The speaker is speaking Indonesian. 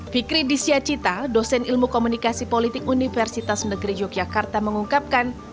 fikri disyacita dosen ilmu komunikasi politik universitas negeri yogyakarta mengungkapkan